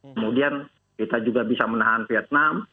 kemudian kita juga bisa menahan vietnam